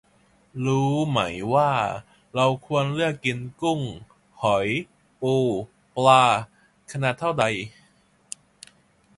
รู้ไหมว่าเราควรเลือกกินกุ้ง หอย ปู ปลา ขนาดเท่าใด